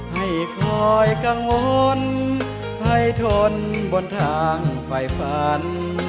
ให้คอยกังวลให้ทนบนทางฝ่ายฝัน